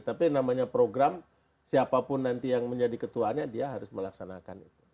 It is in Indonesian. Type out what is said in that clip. tapi namanya program siapapun nanti yang menjadi ketuanya dia harus melaksanakan itu